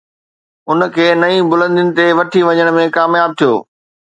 ان کي نئين بلندين تي وٺي وڃڻ ۾ ڪامياب ٿيو